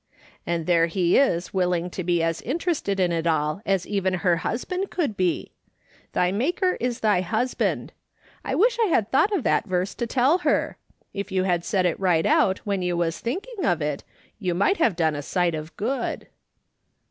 And there he is willing to be as interested in it all as even her hus band could be !' Thy jNIaker is thy husband/ I wish I had thought of that verse to tell her ; if you had said it right out when you was thinking of it, you might have done a sight of good."